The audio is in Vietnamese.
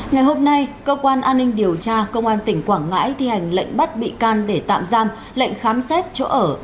ngày hôm nay cơ quan an ninh điều tra công an tỉnh quảng ngãi thi hành lệnh bắt bị can để tạm giam lệnh khám xét chỗ ở